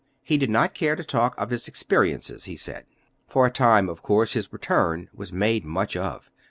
He did not care to talk of his experiences, he said. For a time, of course, his return was made much of.